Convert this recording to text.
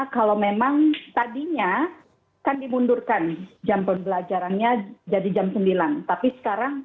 kalau memang tadinya kan dimundurkan jam pembelajarannya jadi jam sembilan tapi sekarang